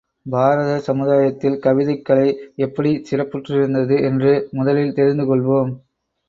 பாரத சமுதாயத்தில் கவிதைக் கலை எப்படிச் சிறப்புற்றிருந்தது என்று முதலில் தெரிந்து கொள்வோம்.